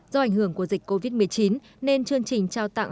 do ảnh hưởng của dịch covid một mươi chín nên chương trình trao tặng